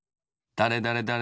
だれだれだれ